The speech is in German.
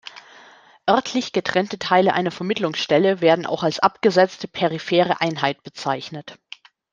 Örtlich getrennte Teile einer Vermittlungsstelle werden auch als Abgesetzte periphere Einheit bezeichnet.